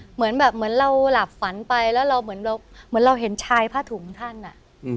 เหมือนแบบเหมือนเราหลับฝันไปแล้วเราเหมือนเราเหมือนเราเห็นชายผ้าถุงท่านอ่ะ